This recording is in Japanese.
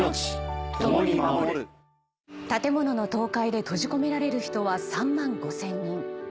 建物の倒壊で閉じ込められる人は３万５０００人。